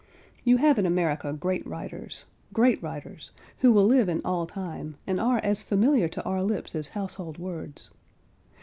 You have in America great writers—great writers—who will live in all time, and are as familiar to our lips as household words.